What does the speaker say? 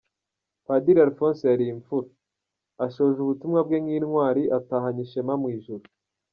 Padiri Alphonse yari imfura, ashoje ubutumwa bwe nk’intwari, atahanye ishema mu ijuru.